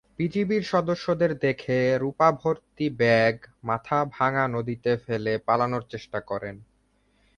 বিজিবির সদস্যদের দেখে রুপাভর্তি ব্যাগ মাথাভাঙ্গা নদীতে ফেলে পালানোর চেষ্টা করেন।